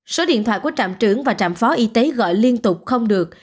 số điện thoại của trạm trưởng và trạm phó y tế gọi liên tục không được